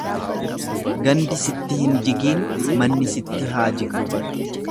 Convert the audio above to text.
Gandi sitti hin jigiin manni sitti haa jigu.